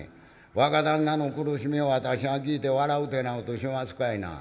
若旦那の苦しみを私が聞いて笑うてぇなことしますかいな。